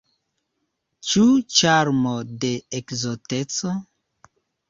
Ĉu ĉarmo de ekzoteco?